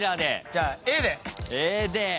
じゃあＡで。